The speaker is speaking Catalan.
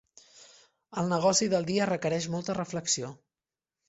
El negoci del dia requereix molta reflexió.